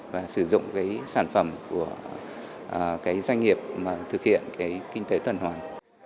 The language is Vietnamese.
và sử dụng sản phẩm của doanh nghiệp thực hiện kinh tế tuần hoàn